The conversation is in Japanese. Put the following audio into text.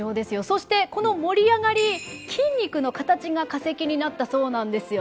そしてこの盛り上がり筋肉の形が化石になったそうなんですよね。